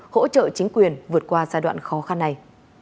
hỗ trợ chính quyền vượt qua giai đoạn khó khăn này